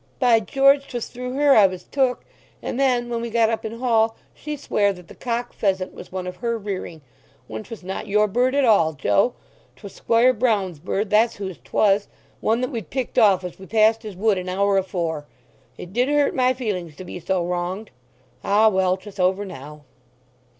By George, 'twas through her I was took! And then when we got up in hall she sware that the cock pheasant was one of her rearing, when 'twas not your bird at all, Joe; 'twas Squire Brown's bird—that's whose 'twas—one that we'd picked off as we passed his wood, an hour afore. It did hurt my feelings to be so wronged!... Ah well—'tis over now."